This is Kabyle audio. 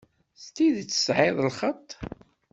S tidet tesεiḍ lxeṭṭ.